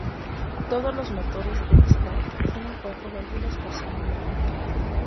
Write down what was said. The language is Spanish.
Todos los motores del S-Type tienen cuatro válvulas por cilindro.